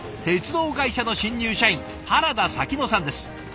鉄道会社の新入社員原田咲乃さんです。